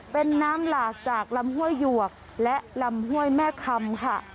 เป็นน้ำหลากจากลำห้วยหยวกและลำห้วยแม่คำค่ะ